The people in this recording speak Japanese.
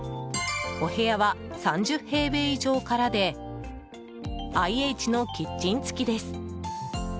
お部屋は３０平米以上からでＩＨのキッチン付きです。